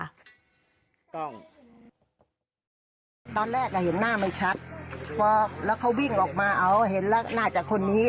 ตอนแรกอ่ะเห็นหน้าไม่ชัดพอแล้วเขาวิ่งออกมาเอาเห็นแล้วน่าจะคนนี้